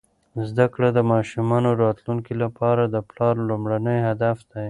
زده کړه د ماشومانو راتلونکي لپاره د پلار لومړنی هدف دی.